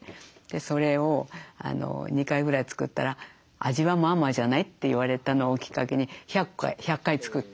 それを２回ぐらい作ったら「味はまあまあじゃない」って言われたのをきっかけに１００回作って。